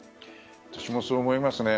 私もそう思います。